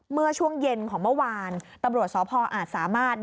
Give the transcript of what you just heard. เมื่อช่วงเย็นของเมื่อวานตำรวจสพอาจสามารถ